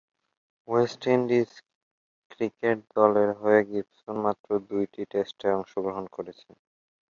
West Indies cricket দলের হয়ে Gibson মাত্র দু’টি টেস্টে অংশগ্রহণ করেছেন।